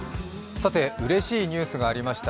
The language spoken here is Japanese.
うれしいニュースがありました。